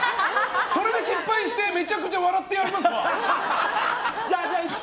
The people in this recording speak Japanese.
それで失敗してめちゃくちゃ笑ってやりますよ。